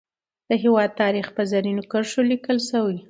د هیواد تاریخ په زرینو کرښو لیکل شوی.